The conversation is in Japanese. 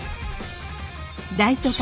大都会